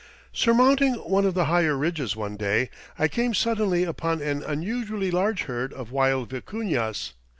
Surmounting one of the higher ridges one day, I came suddenly upon an unusually large herd of wild vicuñas.